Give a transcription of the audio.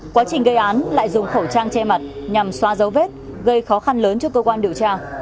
quá trình gây án lại dùng khẩu trang che mặt nhằm xoa dấu vết gây khó khăn lớn cho cơ quan điều tra